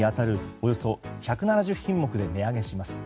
およそ１７０品目で値上げします。